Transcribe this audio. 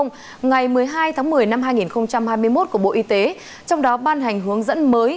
tám ngày một mươi hai một mươi hai nghìn hai mươi một của bộ y tế trong đó ban hành hướng dẫn mới